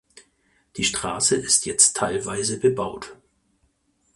Die Straße ist jetzt teilweise bebaut.